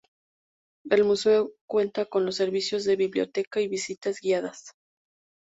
El museo cuenta con los servicios de Biblioteca y Visitas guiadas.